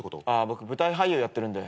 僕舞台俳優やってるんで。